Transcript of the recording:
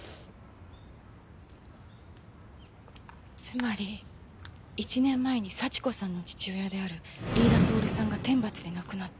つまり１年前に幸子さんの父親である飯田透さんが天罰で亡くなった。